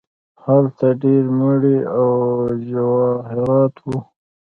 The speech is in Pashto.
هلته ډیر مړي او جواهرات وو.